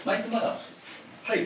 はい。